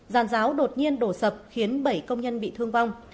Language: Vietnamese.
giàn giáo đột nhiên đổ sập khiến bảy công nhân bị thương vong